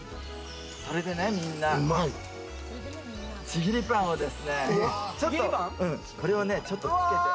それでね、みんな、ちぎりパンをですね、これをね、ちょっとつけて。